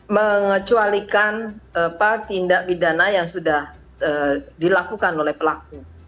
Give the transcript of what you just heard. mengecualikan tindak pidana yang sudah dilakukan oleh pelaku